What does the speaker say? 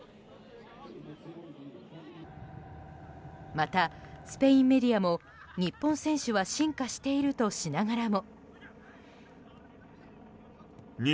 また、スペインメディアも日本選手は進化しているとしながらも。